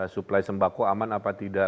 suplai sembako aman apa tidak